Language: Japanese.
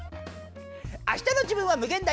あしたの自分は無限大！